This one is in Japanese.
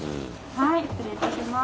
はい失礼いたします。